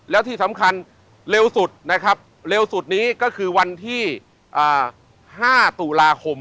แล้วที่สำคัญเร็วสุดนะครับเร็วสุดนี้ก็คือวันที่๕ตุลาคม